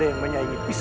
sekali lagi ratu android